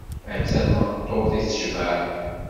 Atta tmeṭṭut i tecbeḥ!